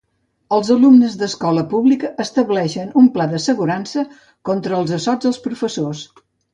Els alumnes d'escola pública estableixen un pla d'assegurança contra els assots dels professors.